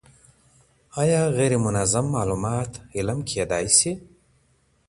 ایا غیر منظم معلومات علم کیدای سي؟